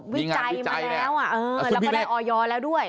วิจัยมาแล้วแล้วก็ได้ออยแล้วด้วย